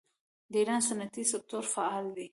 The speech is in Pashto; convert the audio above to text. د ایران صنعتي سکتور فعال دی.